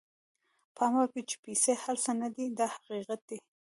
پام وکړئ چې پیسې هر څه نه دي دا حقیقت دی.